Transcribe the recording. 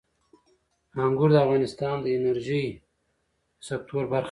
انګور د افغانستان د انرژۍ د سکتور برخه ده.